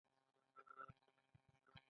د نباتي ناروغیو کنټرول کیږي